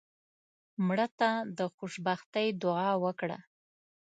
مړه ته د خوشبختۍ دعا وکړه